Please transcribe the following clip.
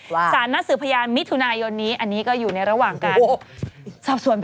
ว่าศาลนัสสือพยานมิถุนายนอันนี้ก็อยู่ในระหว่างการ